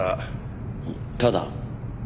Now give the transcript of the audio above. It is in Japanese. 「ただ」？